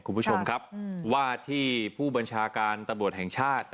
คุณผู้ชมครับว่าที่ผู้บัญชาการตำรวจแห่งชาติ